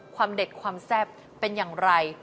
เด็ดความแซ่บเป็นอย่างไร